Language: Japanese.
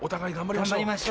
頑張りましょ。